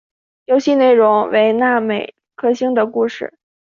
游戏内容为那美克星的故事。